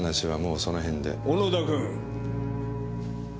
小野田君。